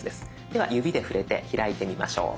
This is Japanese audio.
では指で触れて開いてみましょう。